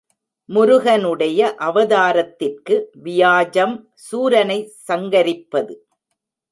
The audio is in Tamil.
முருகனுடைய அவதாரத்திற்கு வியாஜம் சூரனைச் சங்கரிப்பது.